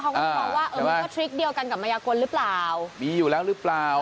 เขาก็มองว่าเออมันก็ทริคเดียวกันกับมายากลหรือเปล่ามีอยู่แล้วหรือเปล่า